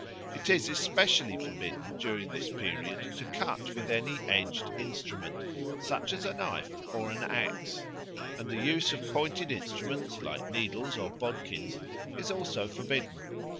It is especially forbidden during this period to cut with any edged instrument, such as a knife or an axe; and the use of pointed instruments, like needles or bodkins, is also forbidden.